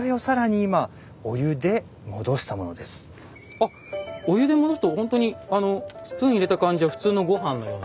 あっお湯で戻すとほんとにあのスプーン入れた感じは普通のごはんのような。